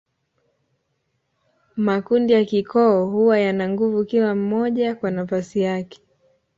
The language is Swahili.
Makundi ya kikoo kuwa yana nguvu kila mmoja kwa nafasi yake